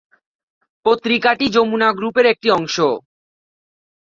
পত্রিকাটি যমুনা গ্রুপের একটি অংশ।